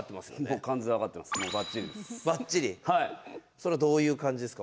それはどういう感じですか？